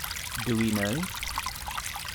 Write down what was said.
Do We Know!?